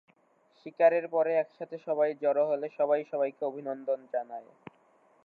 শিকারের পরে একসাথে সবাই জড়ো হলে সবাই সবাইকে অভিনন্দন জানায়।